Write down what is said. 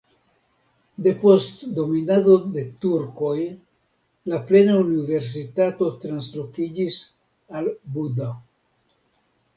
Depost dominado de turkoj la plena universitato translokiĝis al Buda.